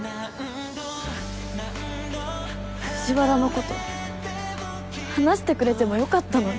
藤原のこと話してくれてもよかったのに。